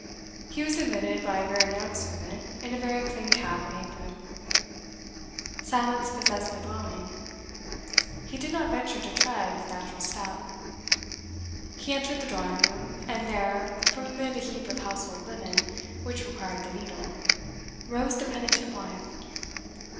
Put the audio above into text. He was admitted by a very young servant, in a very clean cap and apron. Silence possessed the dwelling; he did not venture to tread with natural step. He entered the drawing room, and there, from amid a heap of household linen which required the needle, rose the penitent wife.